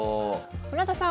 村田さん